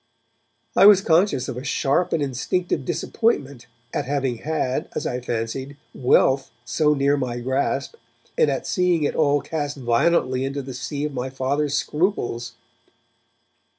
I was conscious of a sharp and instinctive disappointment at having had, as I fancied, wealth so near my grasp, and at seeing it all cast violently into the sea of my Father's scruples.